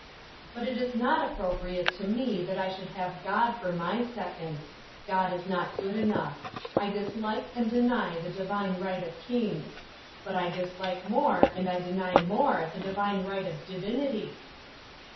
But it is not appropriate to me that I should have God for my second. God is not good enough. I dislike and I deny the divine right of kings. But I dislike more and I deny more the divine right of divinity."